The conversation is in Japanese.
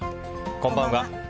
こんばんは。